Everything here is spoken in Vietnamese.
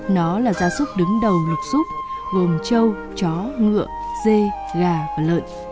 nó là gia súc đứng đầu lục súc gồm trâu chó ngựa dê gà và lợn